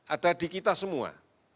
ada di kita semua